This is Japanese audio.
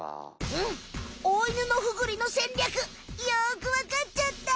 うんオオイヌノフグリの戦略よくわかっちゃった！